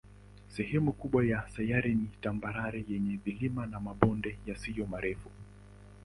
Sehemu kubwa ya sayari ni tambarare yenye vilima na mabonde yasiyo marefu.